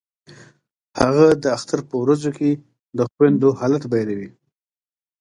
هغه د اختر په ورځو کې د خویندو حالت بیانوي